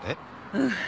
うん。